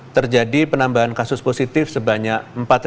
terjadi penambahan kasus positif sebanyak empat delapan ratus sembilan puluh satu